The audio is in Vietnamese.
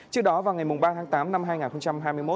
trước đó vào ngày ba tháng tám năm hai nghìn hai mươi một